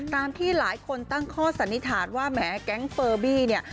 ตามที่หลายคนตั้งข้อสันนิษฐานว่าแหมแก๊งเฟอร์บี้เนี่ย